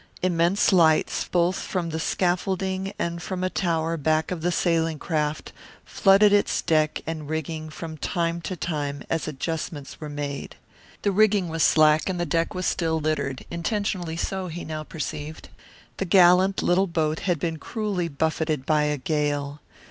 Immense lights, both from the scaffolding and from a tower back of the sailing craft, flooded its deck and rigging from time to time as adjustments were made. The rigging was slack and the deck was still littered, intentionally so, he now perceived. The gallant little boat had been cruelly buffeted by a gale.